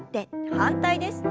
反対です。